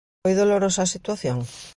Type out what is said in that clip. ¿Foi dolorosa a situación?